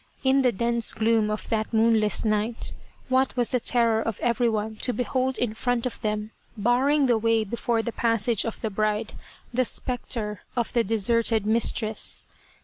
In the dense gloom of that moon less night, what was the terror of everyone to behold 231 Kinu Returns from the Grave in front of them, barring the way before the passage of the bride, the spectre of the deserted mistress